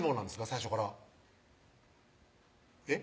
最初からえっ？